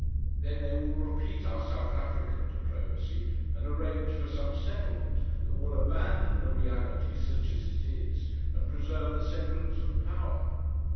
Then they will repeat our South African diplomacy, and arrange for some settlement that will abandon the reality, such as it is, and preserve the semblance of power.